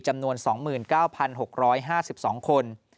จำนวน๒๙๖๕๒คน